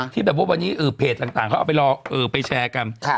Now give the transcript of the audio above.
ที่วันนี้เพจต่างเค้าเอาไปลองไปแชร์กัน